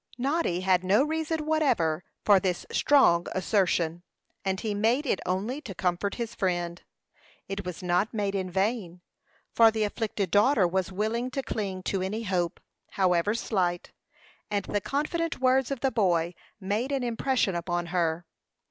Noddy had no reason whatever for this strong assertion, and he made it only to comfort his friend. It was not made in vain, for the afflicted daughter was willing to cling to any hope, however slight, and the confident words of the boy made an impression upon her.